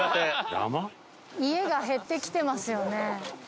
家が減ってきてますよね。